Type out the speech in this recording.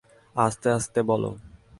আস্তে আস্তে বলো।